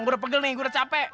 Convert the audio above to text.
gue udah pegel nih gue udah capek